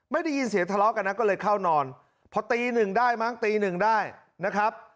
ไม่ได้ยินเสียงทะเลาะกันนะก็เลยเข้านอนพอตีหนึ่งได้มั้งตีหนึ่งได้นะครับ